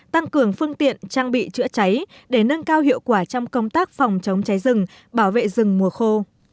tăng cường phương tiện trang bị chữa cháy để nâng cao hiệu quả trong công tác phòng chống cháy rừng bảo vệ rừng mùa khô